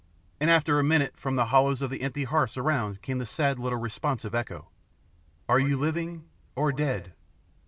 And after a minute from the hollows of the empty hearths around came the sad little responsive echo: "Are you living or dead?"